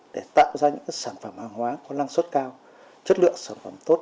để tạo ra những sản phẩm hàng hóa có năng suất cao chất lượng sản phẩm tốt